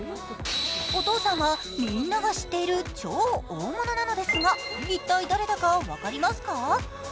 お父さんはみんなが知っている超大物なのですが、一体誰だか分かりますか？